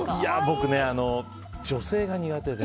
僕ね、女性が苦手で。